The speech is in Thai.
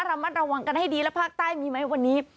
ระมัดระวังกันให้ดีแล้วภาคใต้มีไหมวันนี้